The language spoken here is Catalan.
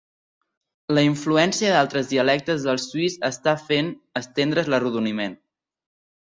La influència d'altres dialectes del suís està fent estendre's l'arrodoniment.